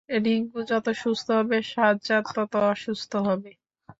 রিংকু যত সুস্থ হবে সাজ্জাদ তত অসুস্থ হবে।